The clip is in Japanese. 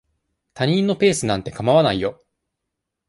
他人のペースなんて構わないよ。